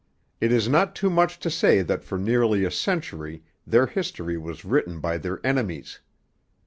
It is not too much to say that for nearly a century their history was written by their enemies.